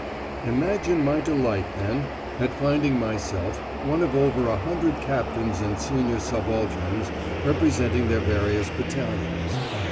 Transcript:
Imagine my delight, then, at finding myself one of over a hundred captains and senior subalterns representing their various battalions.